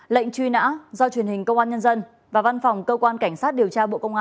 lệnh truy nã do truyền hình công an nhân dân và văn phòng cơ quan cảnh sát điều tra bộ công an phối hợp thực hiện